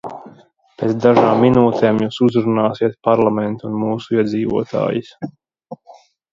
Pēc dažām minūtēm jūs uzrunāsiet Parlamentu un mūsu iedzīvotājus.